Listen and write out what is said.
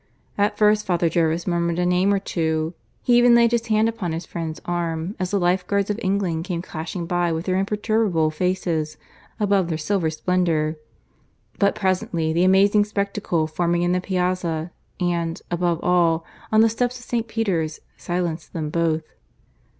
At first Father Jervis murmured a name or two; he even laid his hand upon his friend's arm as the Life guards of England came clashing by with their imperturbable faces above their silver splendour; but presently the amazing spectacle forming in the piazza, and, above all, on the steps of St. Peter's, silenced them both.